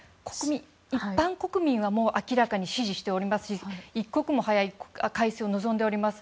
一般国民は明らかに支持しておりますし一刻も早い改正を望んでおります。